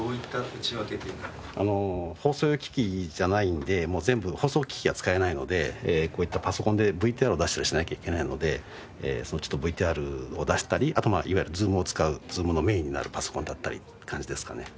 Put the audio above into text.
放送用機器じゃないのでもう全部放送機器が使えないのでこういったパソコンでＶＴＲを出したりしなきゃいけないのでそのＶＴＲを出したりあといわゆるＺｏｏｍを使うＺｏｏｍのメインになるパソコンだったりっていう感じですかね。